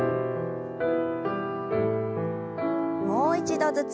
もう一度ずつ。